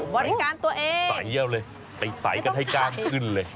บริการตัวเองใส่เอาเลยไปใส่กันให้กล้ามขึ้นเลย